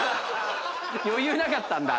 余裕なかったんだ。